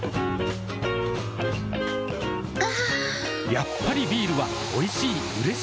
やっぱりビールはおいしい、うれしい。